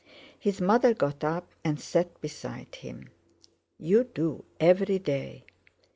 His mother got up, and sat beside him. "You do, every day.